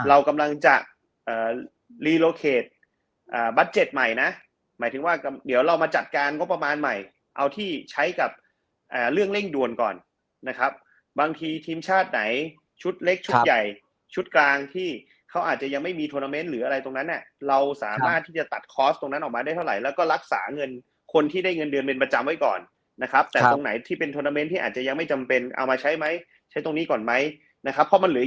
อ่าลีโลเคทอ่าบัตเจ็ตใหม่นะหมายถึงว่าเดี๋ยวเรามาจัดการงบประมาณใหม่เอาที่ใช้กับอ่าเรื่องเร่งดวนก่อนนะครับบางทีทีมชาติไหนชุดเล็กชุดใหญ่ชุดกลางที่เขาอาจจะยังไม่มีทวนาเมนต์หรืออะไรตรงนั้นน่ะเราสามารถที่จะตัดคอร์สตรงนั้นออกมาได้เท่าไรแล้วก็รักษาเงินคนที่ได้เงินเดือนเป็นประจำไว้ก